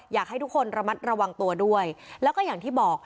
อยากให้ทุกคนระมัดระวังตัวด้วยแล้วก็อย่างที่บอก